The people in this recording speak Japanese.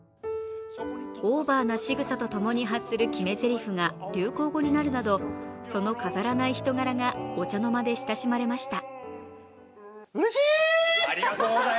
オーバーなしぐさとともに発する決めぜりふが流行語になるなど、その飾らない人柄がお茶の間で親しまれました。